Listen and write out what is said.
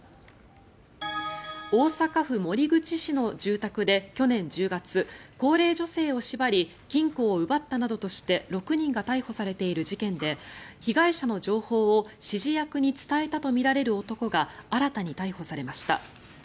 大阪府守口市の住宅で去年１０月高齢女性を縛り金庫を奪ったなどとして６人が逮捕されている事件で被害者の情報を指示役に伝えたとみられる男が新たに逮捕されました。